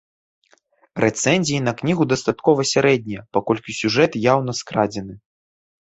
Рэцэнзіі на кнігу дастаткова сярэднія, паколькі сюжэт яўна скрадзены.